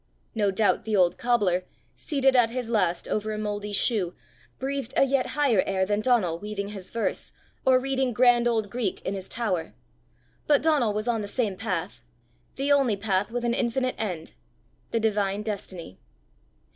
No doubt the old cobbler, seated at his last over a mouldy shoe, breathed a yet higher air than Donal weaving his verse, or reading grand old Greek, in his tower; but Donal was on the same path, the only path with an infinite end the divine destiny.